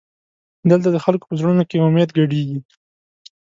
دلته د خلکو په زړونو کې امید ګډېږي.